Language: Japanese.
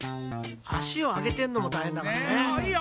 あしをあげてんのもたいへんだからね。いいよ！